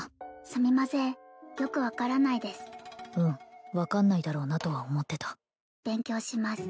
すみませんよく分からないですうん分かんないだろうなとは思ってた勉強します